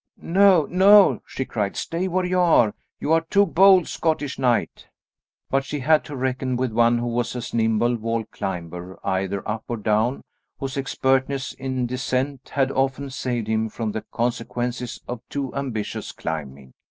"No, no," she cried, "stay where you are. You are too bold, Scottish knight." But she had to reckon with one who was a nimble wall climber, either up or down, whose expertness in descent had often saved him from the consequences of too ambitious climbing.